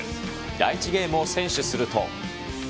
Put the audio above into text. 第１ゲームを先取すると。